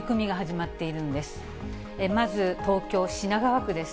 まず、東京・品川区です。